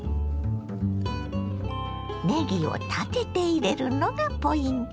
ねぎを立てて入れるのがポイント。